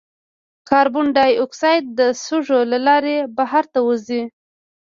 کاربن ډای اکساید د سږو له لارې بهر ته وځي.